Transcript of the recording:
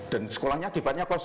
dan sekolahnya akibatnya kosong